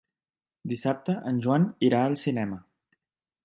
Dissabte en Joan irà al cinema.